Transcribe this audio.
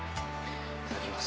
いただきます。